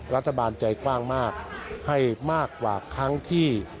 รัฐบาลใจกว้างมากให้มากกว่าครั้งที่